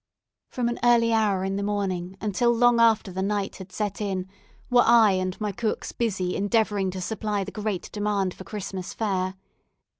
From an early hour in the morning until long after the night had set in, were I and my cooks busy endeavouring to supply the great demand for Christmas fare.